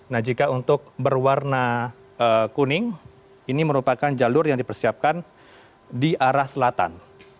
nah jika untuk berwarna kuning ini merupakan jalur yang dipersiapkan di arah selatan